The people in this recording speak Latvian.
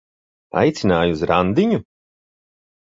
Aicināja uz randiņu?